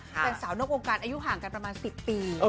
แฟนสาวนอกวงการอายุห่างกันประมาณ๑๐ปี